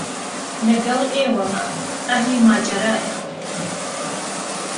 له گەڵ ئێيوهمه ئەهلی ماجەرایە